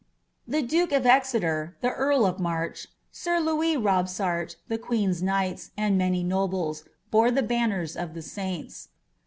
The duke of Exeter, the earl of March* sir Loois Robsart, the queen's knighu and many nobles, >>ore the banners of the mints.